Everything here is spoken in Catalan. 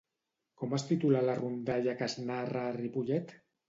Com es titula la rondalla que es narra a Ripollet?